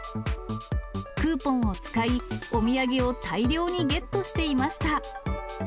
クーポンを使い、お土産を大量にゲットしていました。